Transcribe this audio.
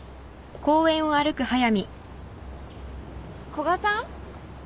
古賀さん？